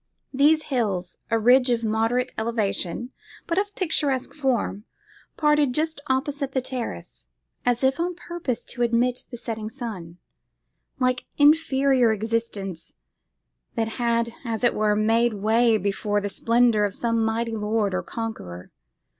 These hills, a ridge of moderate elevation, but of picturesque form, parted just opposite the terrace, as if on purpose to admit the setting sun, like inferior existences that had, as it were, made way before the splendour of some mighty lord or conqueror.